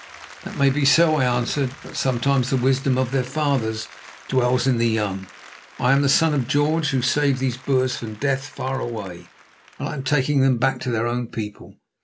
"That may be so," I answered; "but sometimes the wisdom of their fathers dwells in the young. I am the son of George who saved these Boers from death far away, and I am taking them back to their own people.